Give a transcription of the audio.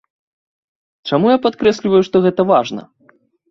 Чаму я падкрэсліваю, што гэта важна?